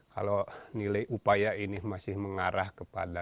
kalau nilai upaya ini masih mengarah kepada